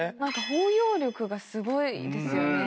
包容力がすごいですよね。